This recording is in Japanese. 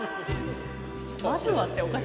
「まずは」っておかしいけど。